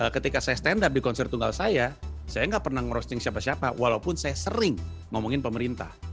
ketika saya stand up di konser tunggal saya saya nggak pernah ngerosting siapa siapa walaupun saya sering ngomongin pemerintah